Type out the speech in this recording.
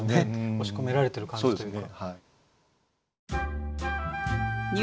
押し込められてる感じというか。